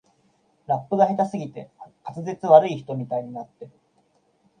ラップが下手すぎて滑舌悪い人みたいになってる